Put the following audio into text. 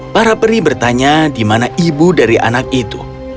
para peri bertanya di mana ibu dari anak itu